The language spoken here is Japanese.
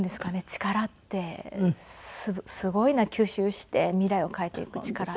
力ってすごいな吸収して未来を変えていく力って。